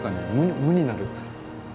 無になる。